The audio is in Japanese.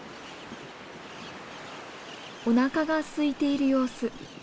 おなかがすいている様子。